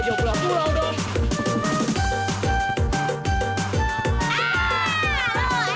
jom kita ke belakang